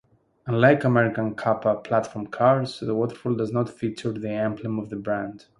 Unlike American Kappa-platform cars, the waterfall does not feature the emblem of the brand.